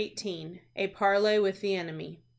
A PARLEY WITH THE ENEMY.